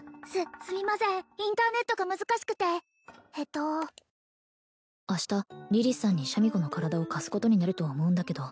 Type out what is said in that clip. すすみませんインターネットが難しくてえっと「あしたリリスさんにシャミ子の体を貸すことになると思うんだけど」